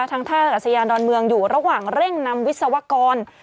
ท่าอากาศยานดอนเมืองอยู่ระหว่างเร่งนำวิศวกร